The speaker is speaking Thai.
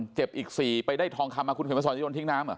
เจ็บอีก๔ไปได้ทองคำมาคุณเขียนมาสอนจะโยนทิ้งน้ำเหรอ